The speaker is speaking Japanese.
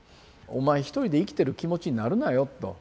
お前一人で生きてる気持ちになるなよと。